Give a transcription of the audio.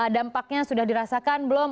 dampaknya sudah dirasakan belum